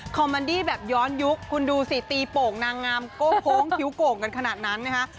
มมันดี้แบบย้อนยุคคุณดูสิตีโป่งนางงามโก้งโค้งคิ้วโก่งกันขนาดนั้นนะคะ